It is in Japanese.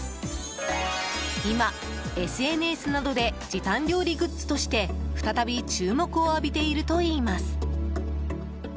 今、ＳＮＳなどで時短料理グッズとして再び注目を浴びているといいます。